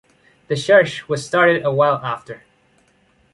The church was started a while after.